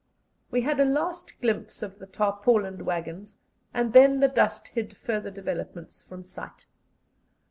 We had a last glimpse of the tarpaulined waggons, and then the dust hid further developments from sight.